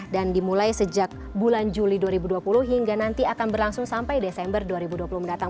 dan dimulai sejak bulan juli dua ribu dua puluh hingga nanti akan berlangsung sampai desember dua ribu dua puluh mendatang